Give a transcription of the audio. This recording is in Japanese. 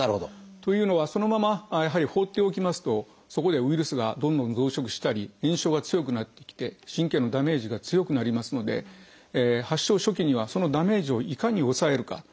というのはそのままやはり放っておきますとそこでウイルスがどんどん増殖したり炎症が強くなってきて神経のダメージが強くなりますので発症初期にはそのダメージをいかに抑えるかということが大切です。